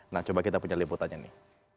nah coba kita punya liputannya nih